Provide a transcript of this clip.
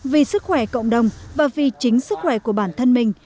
vì sức khỏe cộng đồng và vì chính sức khỏe của bản thân mình